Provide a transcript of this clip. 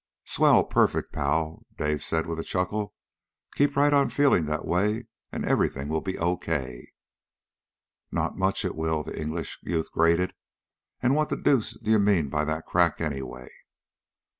"Swell, perfect, pal!" Dave said with a chuckle. "Keep right on feeling that way, and everything will be okay." "Not much it will!" the English youth grated. "And what the deuce do you mean by that crack, anyway?"